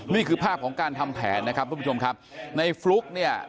นี่คือภาพของการทำแผนนะครับทุกผู้ชมครับในฟลุ๊กเนี่ย